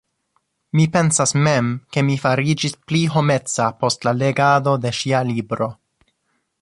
Mi pensas mem, ke mi fariĝis pli homeca post la legado de ŝia libro.